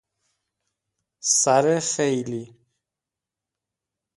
سر خیلی